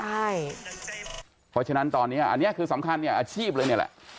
เพราะฉะนั้นตอนนี้อันนี้คือสำคัญเนี่ยอาชีพเลยเนี่ยแหละ